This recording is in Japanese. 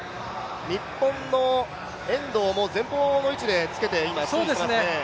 日本の遠藤も前方の位置で今つけていますね。